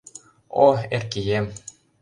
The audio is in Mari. О Эркием!